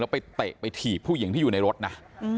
ไปเตะไปถีบผู้หญิงที่อยู่ในรถนะ